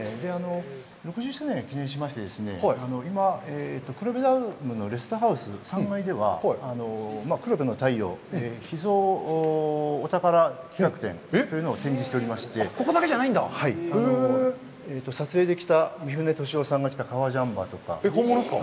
６０周年を記念して、今、黒部ダムのレストハウス３階では、「黒部の太陽」「秘蔵お宝企画展」というのを展示しておりまして、撮影で着た、三船敏郎さんが着た革ジャンパーとか本物ですか。